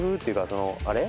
そのあれ？